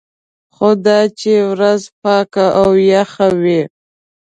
خو دا چې ورځ پاکه او یخه وي.